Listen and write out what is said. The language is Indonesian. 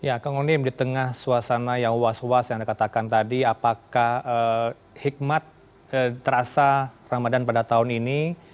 ya kang onim di tengah suasana yang was was yang anda katakan tadi apakah hikmat terasa ramadan pada tahun ini